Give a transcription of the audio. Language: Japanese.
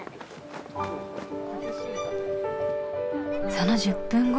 その１０分後。